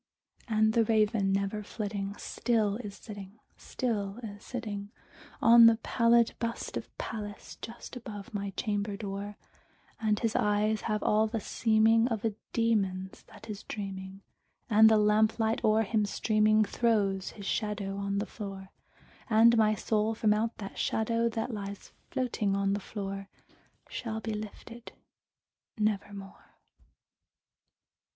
And the Raven, never flitting, still is sitting, still is sitting On the pallid bust of Pallas just above my chamber door; And his eyes have all the seeming of a demon's that is dreaming, And the lamplight o'er him streaming throws his shadow on the floor; And my soul from out that shadow that lies floating on the floor Shall be lifted nevermore!